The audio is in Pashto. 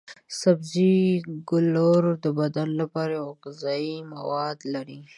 سبزي ګولور د بدن لپاره پوره غذايي مواد لري.